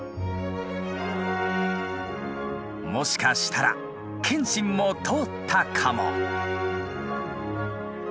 もしかしたら謙信も通ったかも。